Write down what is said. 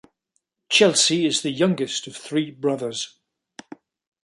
Chelsea is the youngest of three brothers.